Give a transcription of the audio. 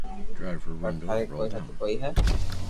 پر ٿاري ڪوئي ھد ڪوئي ھي